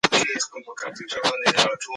ایا پاڼه بېرته تر او تازه کېږي؟